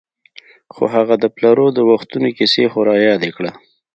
خو هغه د پلرو د وختونو کیسې خو رایادې کړه.